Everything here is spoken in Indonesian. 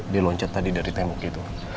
diloncat tadi dari tembok itu